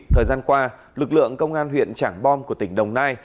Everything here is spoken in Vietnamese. thời gian qua lực lượng công an huyện trảng bom của tỉnh đồng nai